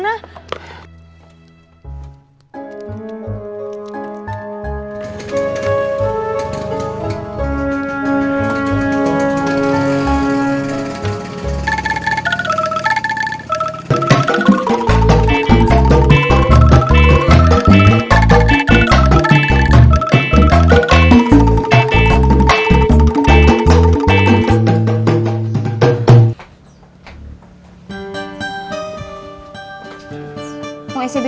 mau aku buat kopi